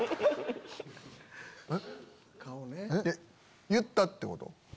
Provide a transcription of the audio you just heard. えっ言ったってこと？